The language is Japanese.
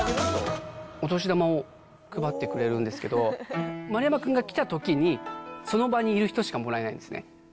お年玉を配ってくれるんですけど、丸山君が来たときに、その場にいる人しかもらえないんですね。